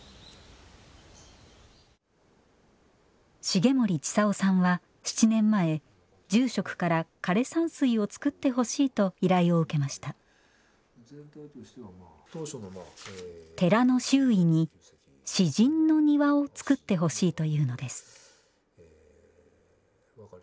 重森千さんは７年前住職から枯山水をつくってほしいと依頼を受けました寺の周囲に四神の庭をつくってほしいというのです